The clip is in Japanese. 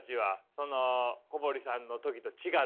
その小堀さんの時と違って。